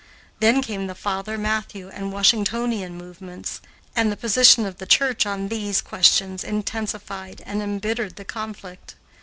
Then came the Father Matthew and Washingtonian movements, and the position of the Church on these questions intensified and embittered the conflict.